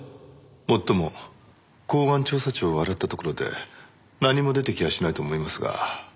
もっとも公安調査庁を洗ったところで何も出てきやしないと思いますが。